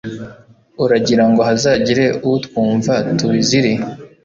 uragira ngo hazagire utwumva tubizire